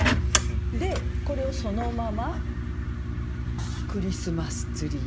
でこれをそのまま「クリスマスツリー」。